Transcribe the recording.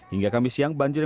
hingga kamis siang banjir